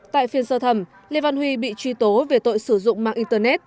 tại phiên sơ thẩm lê văn huy bị truy tố về tội sử dụng mạng internet